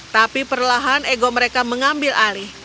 tapi perlahan ego mereka mengambil alih